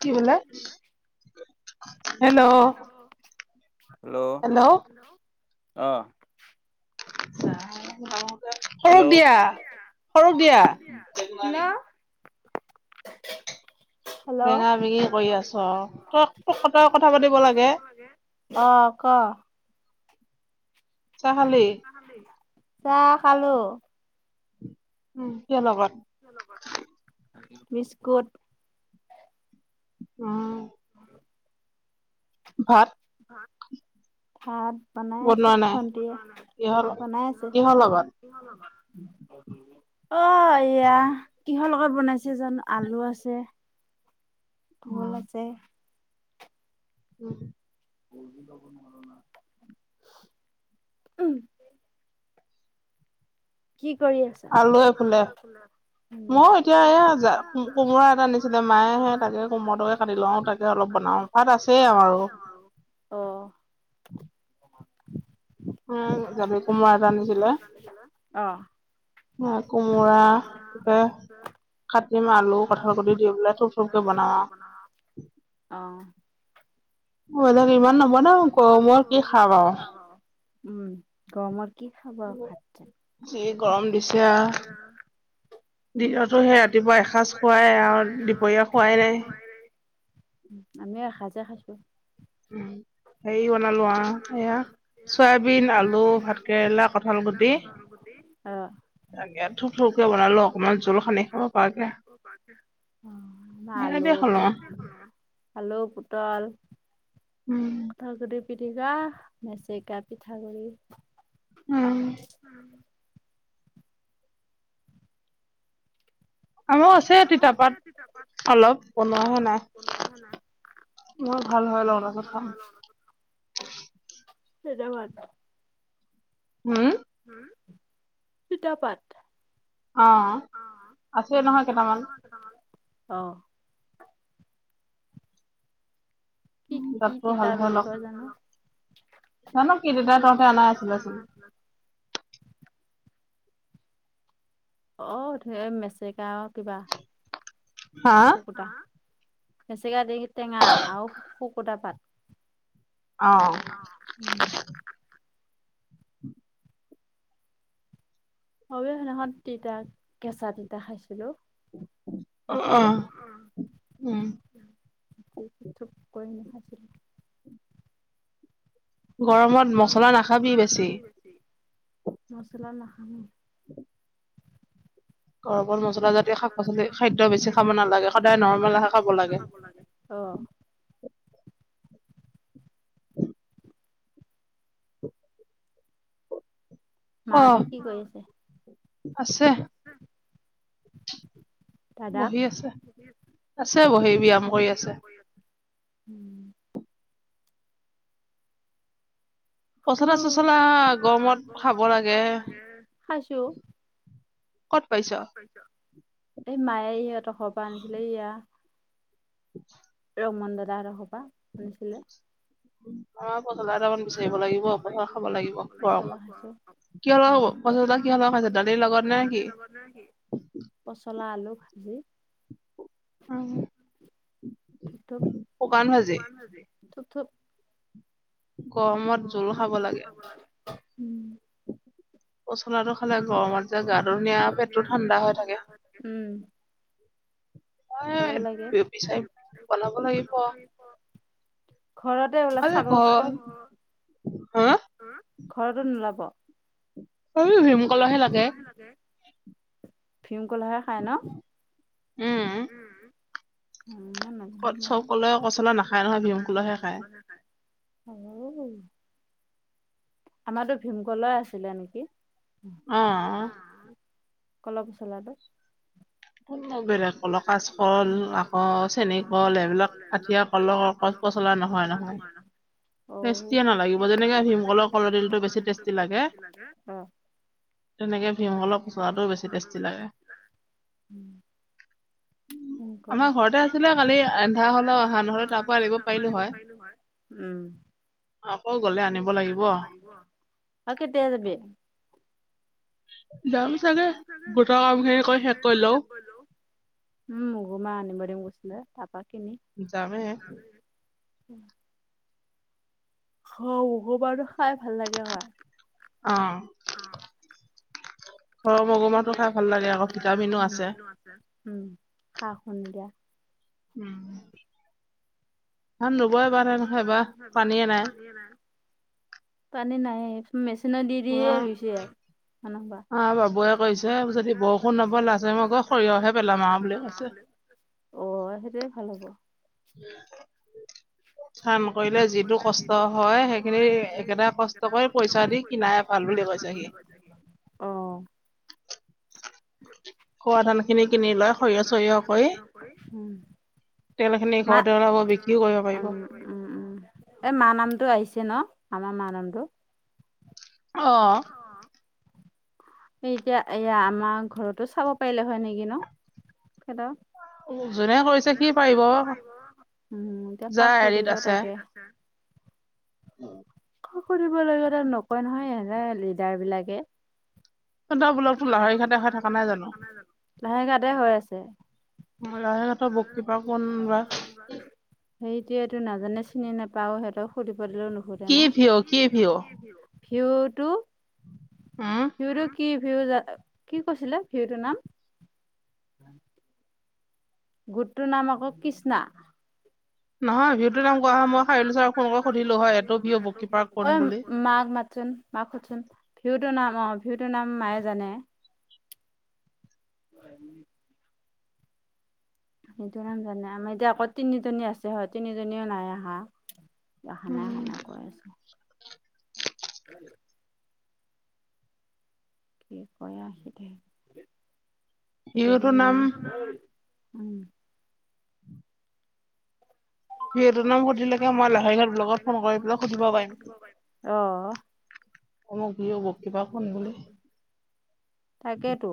কি বোলে hello? Hello. আহ। [inaudible] সৰু দিয়া সৰু দিয়া। হেল্ল' অ'। ক? [inaudible] চাহ খালোঁ। উম, কি লগত? বিস্কুট। উম। ভাত ভাত বনাই আছে ভন্টিয়ে বনাই আছে। অহ এইয়া কিহৰ লগত বনাইছে জানা আলু আছে ভোল আছে। উম। [inaudible] কি কৰি আছা? মই এতিয়া এই কোমোৰা এটা আনিছিলে। মায়েহে তাকে কোমোৰাতোকে কাটি লওঁ তাকে অলপ অ'। [inaudible] উম, যালি কুমাৰ এটা আনিছিলে। অ'। হেয়া কোমোৰাকে কাটিম আলু কঠাল কটি দি পেললে থূপ থূপকে বনাম আৰু। অ'। ইমান নবনাও গৰমত কি মই কি খাম আৰু। উম, গৰমত কি খাব ভাত। যি গৰম দিছে আৰু। দিনতো সেই ৰাতিপুৱা এসাজ খোৱাই আৰু দুপৰীয়া খোৱাই নাই। আমিও এসাজ এ খাইছো। উম। হেৰি বনালো আহ সয়া চয়াবিন আলু ভাত কেৰেলা কঠাল গুটি। তাকে থূপ থূপকে বনালো অকমান জোল খানি খাব পাৰকে। অ', আলু প আলু পুটল উম। পিটকা মেচেকা পিঠাগুৰি উম। আমাৰ আছে তিতা পাত অলপ বনোৱাহে নাই। মই ভাল হয় লওঁ তাৰ পিছত খাম। [inaudible] হম? উম, তিতা পাত। অ', আছে নহয় কেইটামান। অহ। [unintelligible] ভাল হ'ল লগ দানক সি দেতাৰ তহঁতে আনা আছিলেচোন। অ, ধেৰ মেচকা কিবা কুকুটা। বেছিকে দি টেঙা আৰু শুকুটা পাত। অহ। [inaudible] চবেই সিদিনাখন তিতা কেঁচা তিতা খাইছিলো। অহ', উম। [unintelligible] গৰমত মছলা নাখাবি বেছি, মছলা নাখা [inaudible] [inaudible] [inaudible] গৰমত মছলা জাতীয় শাক-পাচলি খাদ্য বেছি খাব নালাগে, সদায় নৰ্মেল অহাৰ খাব লাগে। [inaudible] [unintelligible] মাহঁতে কি কৰি আছে? আছে। বহি আছে, আছে বহি ব্যায়াম কৰি আছে। উম [inaudible] উম, গৰমত [unintelligible] খাব লাগে খাইছোঁ। ক'ত পাইছ? এই মায়ে সিহঁতৰ ঘৰৰ পৰা আনিছিলে এইয়া। [unintelligible] ৰমন দাদা ঘৰৰ পৰা শুনিছিলে। উম। [inaudible] আমাৰ পচলা এটামান বিচাৰিব লাগিব পচলা খাব লাগিব গৰমত, কিয় নহ'ব পচলা কিয় আলো বাজা, দালিৰ লগত নেকি? পচলা আলু ভাজি। শুকান ভাজি। উঠো। অহ, মোৰ ধুনু খাব লাগে। পচৰাটো খালে গৰমততে [unintelligible] দিয়া পেটটো ঠাণ্ডা হৈ থাকে। মই বিচাৰি পিনে বনাব লাগিব। ঘৰতে ওলাই চাৱচোন, উম ঘৰতো নোলাব। [unintelligible] ভীমকলৰহে লাগে। ভিমকলহে খায় ন? উম। চব সকলোৱে কচলা নাখায় নহয়, ভীমকলৰহে খায়। অহ, আমাৰো ভীমকলই আছিলে নেকি? অহ। কল পচলাটো। বেলেগ কলৰ কাচকল আকৌ, চেনী কল এইবিলাক আঠিয়াকলৰ কল পচলা না নহয়, নহয়। অহ, টেষ্টি নহয়, [unintelligible] ভীমকলৰ পচলাটো বেছি টেষ্টি লাগে। তেনেকেল ভীমকলৰ পচলাটো বেছি টেষ্টি লাগে উম। উম। আমাৰ ঘৰতে আছিলে কালি আন্ধা হ'লেও অহা নহ'লে তাৰপৰা আনিব পাৰিলোঁ হয়। আকৌ গ'লে আনিব লাগিব। তমি চাগে গোট কাম খিনি কৰি শেষ কৰি লও। উম উ গুম নিমাৰ গছ। দে তাৰাপা কিনি। অ' উহু বাৰুটো খাই ভাল লাগে হয়? অ'। অ' কথা ভাল লে আছে খা সুন দিয়া। উম। [unintelligible] পানিয়ে নাই, পানী নাইে, মেচিন নিচিনা দি দিয়ে ৰুইছে আৰু ম আহ বাবুৱে কৈছে যদি বৰষুণ নব লাজে মই গৈ সৰিয়হে পেলাম আৰু বুলি কৈছে। অ' সেইটোৱে ভাল হ'ব। উম। স্থান কৰিলে যিটো কষ্ট হয়, সেইখিনি একেটাৰে কষ্ট কৰি পইচা দি কিনাই ভাল। অ'। [unintelligible] খোৱাডাল খিনি কিন লা সৰিয় চৰিয়হ কৰি, উম। মা [unintelligible] উম উম উম, এই মা নামটো আহিছে ন, আমাৰ মা নামটো। অ'। এতিয়া এয়া আমাৰ ঘৰতো চাব পাৰিলে হয় নেকি ন, সহঁতৰ। উ এতিয়া কাক সুধিবা তাকে। কৰিব লগ নকয় নহয়ে লিডাৰ বিলাকে। লাহে ঘাট হৈ আছে। সেইটোৱে। টো নাজানে চিনি নাপাও সিহঁতক সুধবি দিলেও ন কি ভিঅ, কি ভিঅ? ভিউটো, ভিউটো কি ভিউা, কি কৈছিলে ভিউটোৰ নাম? গোটটোৰ নাম আকৌ কৃষ্ণা। ই সুধিলো মাক। মাক সোধচোন আ ৰ নাম অ' ভিউটোৰ নাম মায়ে জানে। সেইটো নাম জানে আমাৰ এতিয়া আকৌ তিনিজনী আছে হয়, তিনিজনীও নাই আহা। আহা নাই আহা নাই কৈ আছে। [inaudible] কি কয় আহি দে, গোটকেইজন সিহটোৰ নাম সুধিলেকে মই লাহে ঘাট ব্লকত ফোন কৰি পেলাই সুধিব পাৰিম। অ' হ'ব কিবা কোন বুলিলে। তাকেইেতো,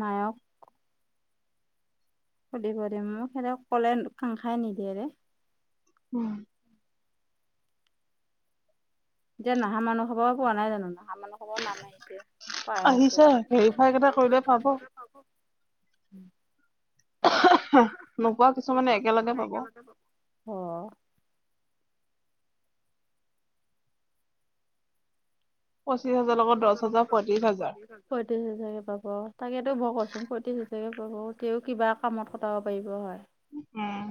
মায়ক সুধিম সুধিম মোক সেহ কলে কাং খাই নিদিয়ে ৰে। উম। যে নাহা মানুহ হবও পোৱা নাই জানো? মানসব নাম আহিছে, পাই আছে। উম। নপোৱা কিছুমানে একেলগে পাব। পঁত্ৰিছ হাজাৰয়ত্ৰিছ, পয়ত্ৰি হাজাৰ পাব তাকেতো বৰ কচোন পয়ত্ৰিশ হাজাৰ সাব তেওঁও কিবা কামত কটাব পাৰিব হয়। উম।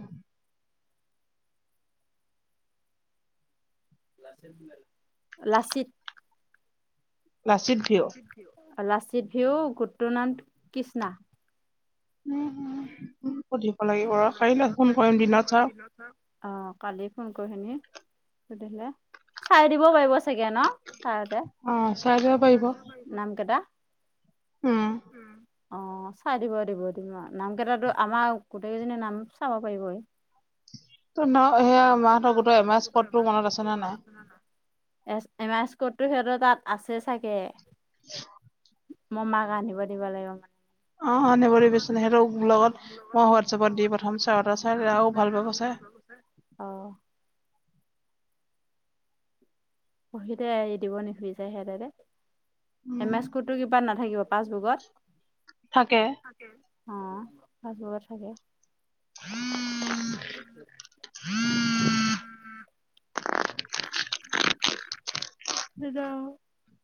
লাচিত। লাচিত ভিয়? লাচিত ভিউ গুটনান্দ কৃষ্ণা উম, হু [unintelligible] আহ কালি ফোন কৰি শুনি সে চাই দিব পাৰিব চাগে ন। চাৰ হতে নাম কেটা উম, অ', চাই দিব [unintelligible] নাম কেইটাটো আমাৰ গোটেই কেইজনী নাম চাব পাৰিবই। ত নহ সেয়া মাহঁতৰ গোট এম এজ কোডটো মনত আছে নে নাই? এছ এমাইছস কোড সিহঁতৰ তাত আছে চাগে [inaudible] মই মাক ৰান্ধিব দিব লাগিব মানে অ', [unintelligible] [unintelligible] [inaudible] পঢ়িতে এৰি দিব [unintelligible] সিহঁতেতে। এমছটো কিবা নাথাকিব পাচবুকত অ', পাছবুক থাকে। [unintelligible] তছ [unintelligible] [inaudible] [unintelligible]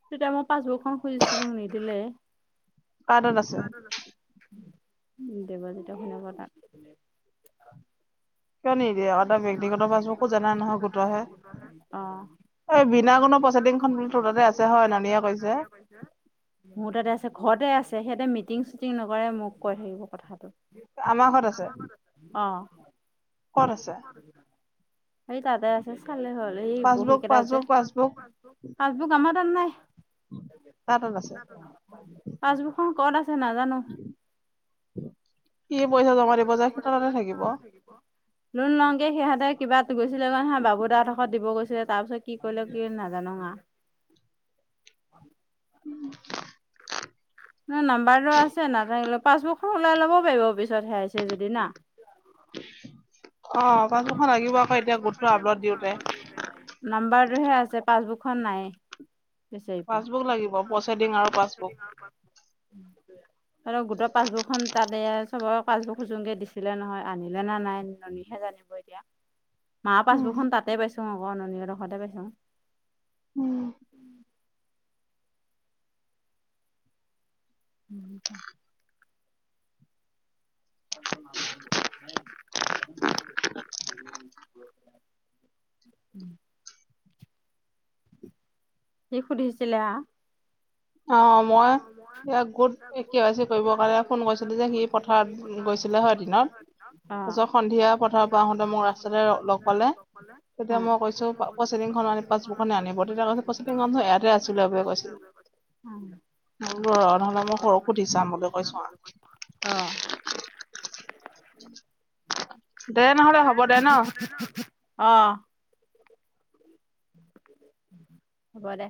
তেতিয়া মই পাচবুকখন খুজিছিলো নিদিলে। কাৰ্ডত আছে। দেৱজিৎৰ ঘৈনীয়েকৰ তাত [unintelligible] অহ'। এই বিনা কোনো প্ৰচেটিং খন বো তাতে আছে হয় ননিয়া কৈছে। মোৰ তাতে আছে ঘৰতে আছে সিহঁতে মিটিং চিটিং নকৰে মোক কৈ থাকিব কথাটো। আমাৰ ঘৰত আছে। ক'ত আছে। এই তাতে আছে চালে হ'ল এই বহী কেইটা যে পাচবুক আমাৰ নাই, পাছবুকখন ক'ত আছে নাজানো। সি পইচা জমা দিব যে সেই তাতে থাকিব। লোন লওগে সিহঁতে কিবা গৈছিলে নহয় বাবু দা ঘৰত দিব গৈছিল। তাৰ পিছত কি কৰিলে কি নাজানো হা। [unintelligible] ন নাম্বাৰটো আছে নাথা পাছবুকখন ওলাই ল'ব পাৰিব পিছত হোইছে যদি না নাম্বাৰটোহে আছে পাছবুকখন নাই। বিচাৰি পোৱা। [unintelligible] আৰু গোটৰ পাছবুক খন তাতে চবৰ পাছবুক সুযংকে দিছিলে নহয় আনিলে নে নাই নুহে জানিব। মা পাছবুক খন তাতে পাইছো আকৌ অ', ননিহতৰ ঘৰতে পাইছোঁ। উম। [unintelligible] [unintelligible] উম, সি সুধিছিলে আ। অ', মই ই গোট কেবাচি কৰিব কাৰণে ফোন কৰিছিলো যে সি পথাৰত গৈছিলে হয় দিনত তাৰপিছত সন্ধিয়া পথাৰৰ পৰা আহোতে মোক ৰাস্তাতে লগ পালে তেতিয়া মই কৈছে প্ৰছেটিং খন পাছবুক খনে আনিব তেতিয়া কৈছো প্ৰছেটিংচোন ইয়াতে আছিলে কৈছিলে। নহলে মই সৰুক সুধি চাম বুলি কৈছো আৰু। দে নহ'লে হ'ব দে ন? হ'ব দে।